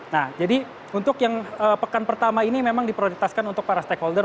nah jadi untuk yang pekan pertama ini memang diprioritaskan untuk para stakeholder